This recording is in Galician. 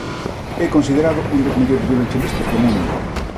É considerado un dos mellores violonchelistas do mundo.